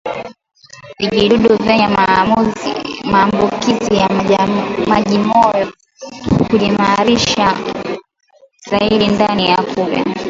Vijidudu vyenye maambukizi ya majimoyo hujiimarisha zaidi ndani ya kupe